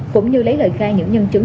cũng như lấy lời khai những nhân chứng